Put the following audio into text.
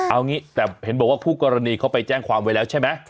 เอางี้แต่เห็นบอกว่าคู่กรณีเขาไปแจ้งความไว้แล้วใช่ไหม